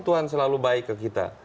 tuhan selalu baik ke kita